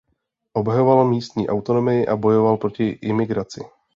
Obhajoval místní autonomii a bojoval proti imigraci.